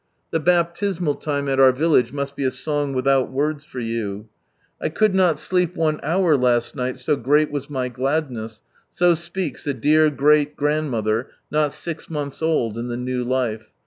The baptismal time at our village must be a song without words for you. " I could not sleep one hour last night, so great was my gladness," so speaks the dear great grandmother not six months old in the new life.